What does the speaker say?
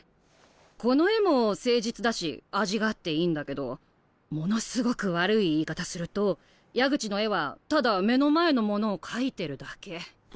この絵も誠実だし味があっていいんだけどものすごく悪い言い方すると矢口の絵はただ目の前のものを描いてるだけ。